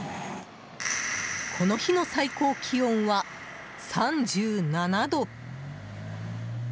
この日の最高気温は３７度。